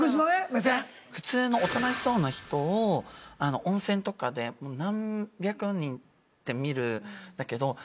⁉普通のおとなしそうな人を温泉とかで何百人って見るんだけど。